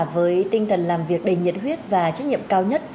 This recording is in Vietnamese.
với tinh thần làm việc đầy nhiệt huyết và trách nhiệm cao nhất